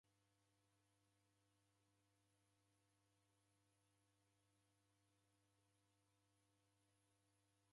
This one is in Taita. Kwahuwo ngera mndu wapata wasi wadima ulase iseghe